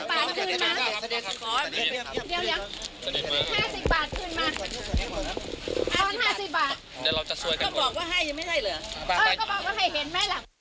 โปรดติดตามตอนใหม่